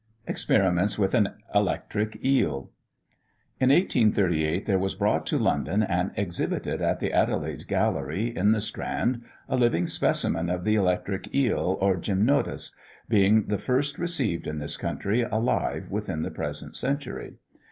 EXPERIMENTS WITH AN ELECTRIC EEL. In 1838 there was brought to London, and exhibited at the Adelaide Gallery, in the Strand, a living specimen of the electric eel, or gymnotus, being the first received in this country alive within the present century.